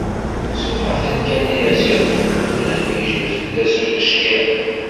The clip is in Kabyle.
S uxatel kan i as-iṛuḥ allammi yejbed fell-as s ubeckiḍ.